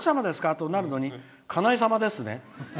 となるのにかない様ですね。